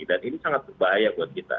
dan ini sangat bahaya buat kita